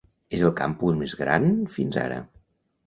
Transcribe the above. És el campus més gran fins ara.